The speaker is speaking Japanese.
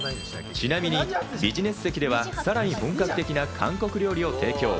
ちなみに、ビジネス席ではさらに本格的な韓国料理を提供。